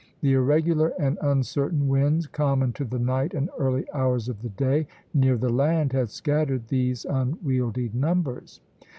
The irregular and uncertain winds, common to the night and early hours of the day near the land, had scattered these unwieldy numbers.